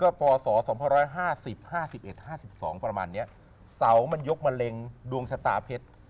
พศ๒๕๐๕๑๕๒ประมาณนี้เสามันยกมะเร็งดวงชะตาเพชร